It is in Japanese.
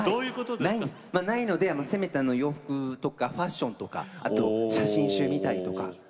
ないので、せめて洋服とかファッションとかあと写真集見たりとか。